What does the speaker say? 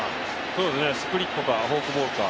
そうですね、スプリットか、フォークボールか。